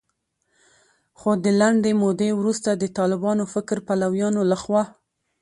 خو د لنډې مودې وروسته د طالباني فکر پلویانو لخوا